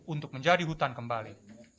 untuk menjadi hutan kembali